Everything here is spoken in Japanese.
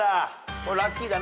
ラッキーだな。